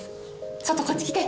ちょっとこっち来て！